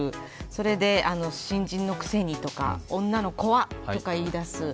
それで、新人のくせにとか、女の子は、とか言い出す。